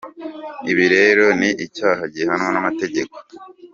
Ibi rero ni icyaha gihanwa n’amategeko.